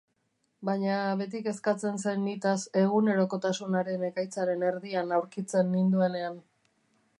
Baina beti kezkatzen zen nitaz egunerokotasunaren ekaitzaren erdian aurkitzen ninduenean.